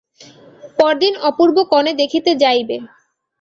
পরদিন অপূর্ব কনে দেখিতে যাইবে।